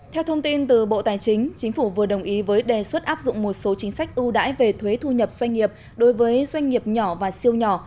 theo thông tin từ bộ tài chính chính phủ vừa đồng ý với đề xuất áp dụng một số chính sách ưu đãi về thuế thu nhập doanh nghiệp đối với doanh nghiệp nhỏ và siêu nhỏ